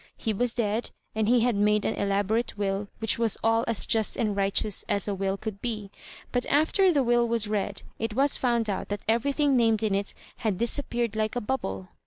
He was dead, and he had made an elaborate will, which was aU as just and righteous as a wiU could be ; but after the will was read, it was found out that everything named in it had disappeared like a bubble.